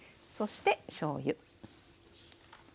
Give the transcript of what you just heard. そしてしょうゆ。